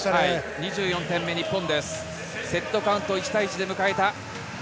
２４点目、日本セットカウント１対１。